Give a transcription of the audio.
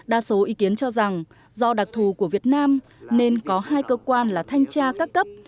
đa số ý kiến cho rằng do đặc thù của việt nam nên có hai cơ quan là thanh tra các cấp